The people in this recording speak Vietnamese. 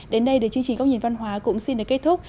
đến đây thì chương trình góc nhìn văn hóa cũng xin được kết thúc